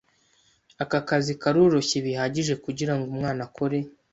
Aka kazi karoroshye bihagije kugirango umwana akore.